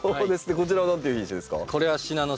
こちらは何という品種ですか？